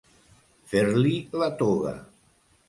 Fer-li la toga.